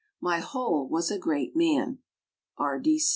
My whole was a great man. R.